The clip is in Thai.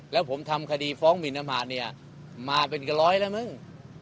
แล้วผมทำคดีฟ้องหมินอมารเนี่ยมาเป็นร้อยแล้วมึง